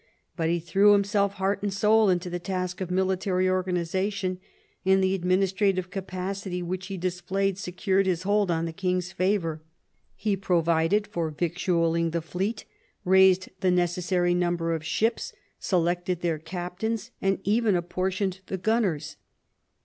But he threw himself heart and soul into the task of military organisation, and the administrative capacity which he displayed secured his hold on the king's favour. He provided for victualling the fleet, raised the necessary number of ships, selected their captains, and even apportioned the gunners.